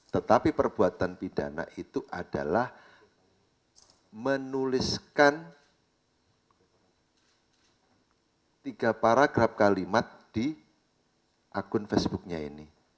tetapi perbuatan pidana itu adalah menuliskan tiga paragraf kalimat di akun facebooknya ini